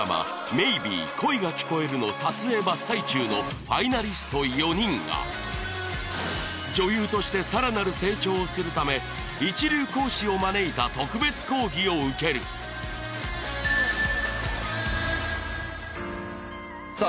「Ｍａｙｂｅ恋が聴こえる」の撮影真っ最中のファイナリスト４人が女優としてさらなる成長をするため一流講師を招いた特別講義を受けるさあ